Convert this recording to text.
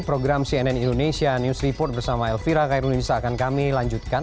program cnn indonesia news report bersama elvira kairunisa akan kami lanjutkan